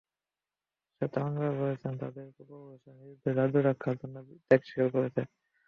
শ্বেতাঙ্গরা বলছেন, তাদের পূর্বপুরুষেরা নিজেদের রাজ্য রক্ষার জন্য ত্যাগ শিকার করেছে।